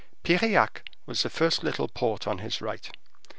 Piriac was the first little port on his right.